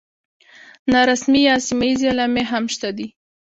نارسمي یا سیمه ییزې علامې هم شته دي.